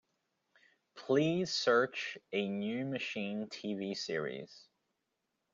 Please search A New Machine TV series.